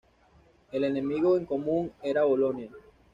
El enemigo en común era Bolonia.